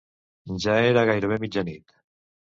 Ja era gairebé mitjanit.